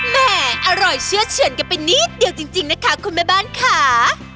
แม่อร่อยเชื่อเฉือนกันไปนิดเดียวจริงนะคะคุณแม่บ้านค่ะ